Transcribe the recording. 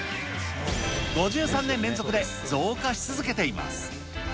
５３年連続で増加し続けています。